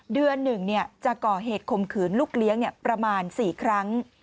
เดือนหนึ่งจะก่อเหตุคมขืนลูกเลี้ยงประมาณ๔ครั้ง